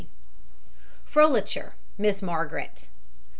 G FROLICHER, MISS MARGARET.